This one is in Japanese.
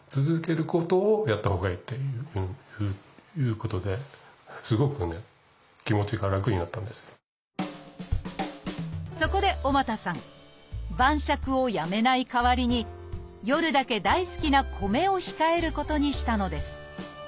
ところが意外なことにそこで尾又さん晩酌をやめないかわりに夜だけ大好きな米を控えることにしたのです。